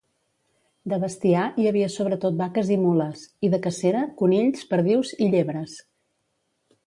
De bestiar, hi havia sobretot vaques i mules, i de cacera, conills, perdius i llebres.